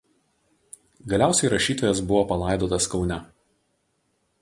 Galiausiai rašytojas buvo palaidotas Kaune.